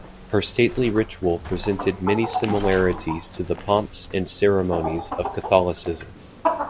Her stately ritual presented many similarities to the pomps and ceremonies of Catholicism.